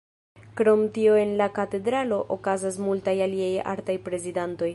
Krom tio en la katedralo okazas multaj aliaj artaj prezentadoj.